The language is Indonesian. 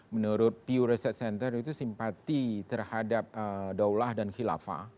menurut pu research center itu simpati terhadap daulah dan khilafah